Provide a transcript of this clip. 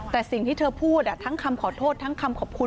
แต่สิ่งที่เธอพูดทั้งคำขอโทษทั้งคำขอบคุณ